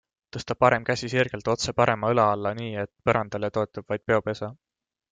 Tõsta parem käsi sirgelt otse parema õla alla nii, et põrandale toetub vaid peopesa.